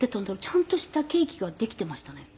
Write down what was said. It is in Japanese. ちゃんとしたケーキができていましたね。